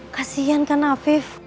kasian kan afif